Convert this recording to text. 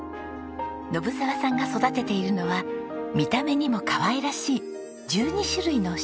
信澤さんが育てているのは見た目にもかわいらしい１２種類の食用の花。